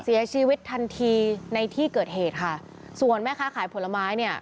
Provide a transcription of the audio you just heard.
เสียชีวิตทันทีในที่เกิดเหตุค่ะส่วนแม่ค้าขายผลไม้เนี่ย